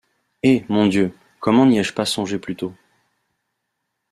Eh! mon Dieu ! comment n’y ai-je pas songé plus tôt?